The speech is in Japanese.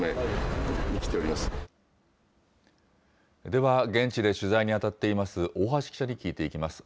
では、現地で取材に当たっています大橋記者に聞いていきます。